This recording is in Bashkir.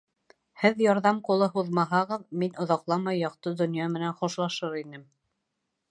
Һеҙ ярҙам ҡулы һуҙмаһағыҙ, мин оҙаҡламай яҡты донъя менән хушлашыр инем.